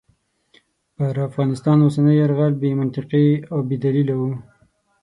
پر افغانستان اوسنی یرغل بې منطقې او بې دلیله دی.